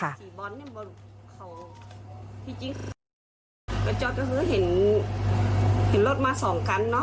กระจอดก็คือเห็นเห็นรถมาสองกันเนอะ